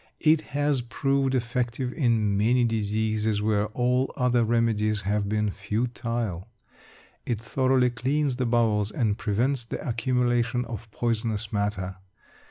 It has proved effective in many diseases where all other remedies have been futile; it thoroughly cleans the bowels, and prevents the accumulation of poisonous matter.